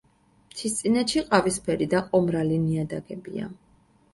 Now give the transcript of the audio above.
მთისწინეთში ყავისფერი და ყომრალი ნიადაგებია.